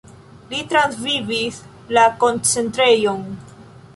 Li transvivis la koncentrejon.